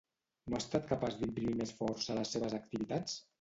No ha estat capaç d’imprimir més força a les seves activitats?